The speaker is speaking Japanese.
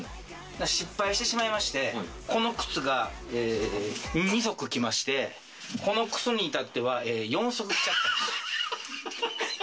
失敗してしまいまして、この靴が２足きまして、この靴にいたっては、４足きた。